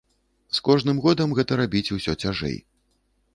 З кожным годам гэта рабіць усё цяжэй.